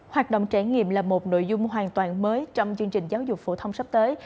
hoạt động trải nghiệm là một nội dung hoàn toàn mới trong chương trình giáo dục phổ thông sắp tới